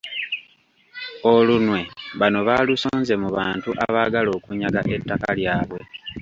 Olunwe bano baalusonze mu bantu abaagala okunyaga ettaka lyabwe.